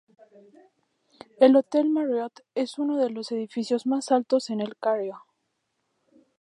El Hotel Marriott es uno de los edificios más altos en El Cairo.